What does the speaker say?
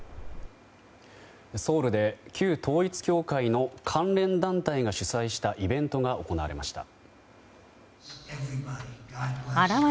ソウルで旧統一教会の関連団体が主催したイベントが行われました。